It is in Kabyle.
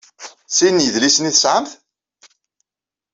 Sin n yidlisen ay tesɛamt?